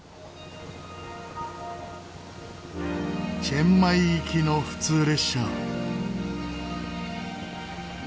チェンマイ行きの普通列車。